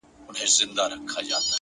مثبت فکر د هیلو تخم کرل دي